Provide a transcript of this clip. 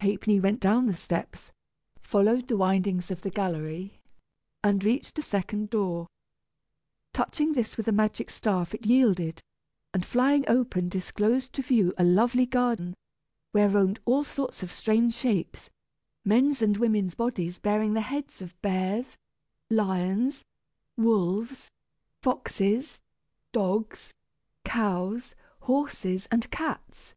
Ha'penny went down the steps, followed the windings of the gallery, and reached a second door. Touching this with the magic staff it yielded, and flying open disclosed to view a lovely garden, where roamed all sorts of strange shapes men's and women's bodies bearing the heads of bears, lions, wolves, foxes, dogs, cows, horses, and cats.